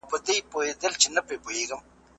کېدای سي واښه ګډه وي!؟